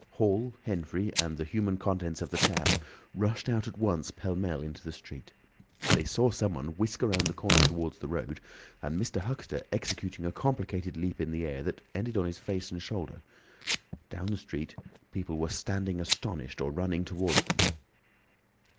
Hall, Henfrey, and the human contents of the tap rushed out at once pell mell into the street. They saw someone whisk round the corner towards the road, and Mr. Huxter executing a complicated leap in the air that ended on his face and shoulder. Down the street people were standing astonished or running towards them.